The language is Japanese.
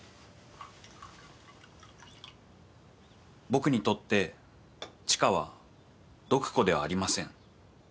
僕にとって知花は毒子ではありません。